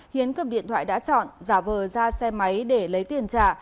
hiến cầm điện thoại đã chọn giả vờ ra xe máy để lấy tiền trả